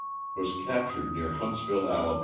Was captured near Huntsville, Ala.